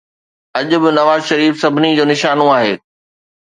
اڄ به نواز شريف سڀني جو نشانو آهي.